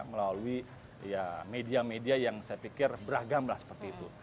melalui media media yang saya pikir beragam lah seperti itu